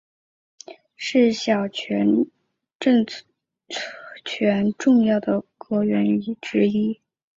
是小泉政权重要的阁员之一。